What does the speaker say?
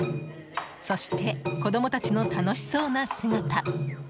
そして、子供たちの楽しそうな姿。